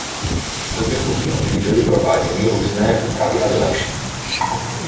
V průběhu výroby byly prováděny různé úpravy a vylepšení.